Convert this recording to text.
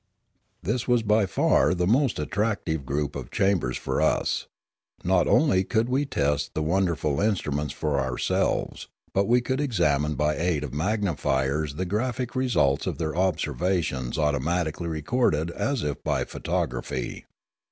This was by far the most attractive group of chambers for us. Not only could we test the wonderful instru ments for ourselves; but we could examine by aid of magnifiers the graphic results of their observations automatically recorded as if by photography.